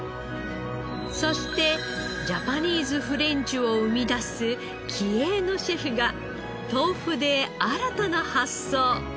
そしてジャパニーズフレンチを生み出す気鋭のシェフが豆腐で新たな発想。